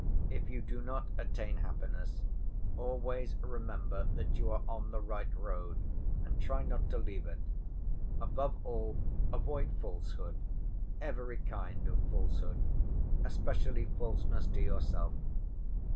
If you do not attain happiness, always remember that you are on the right road, and try not to leave it. Above all, avoid falsehood, every kind of falsehood, especially falseness to yourself.